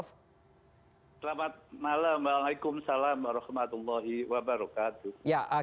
selamat malam waalaikumsalam warahmatullahi wabarakatuh